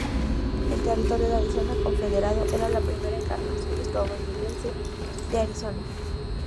El Territorio de Arizona confederado era la primera encarnación estadounidense de Arizona.